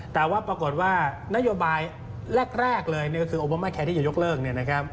แต่ว่าปรากฏว่านโยบายแรกเลยก็คือโอบามาแคร์ที่จะยกเลิก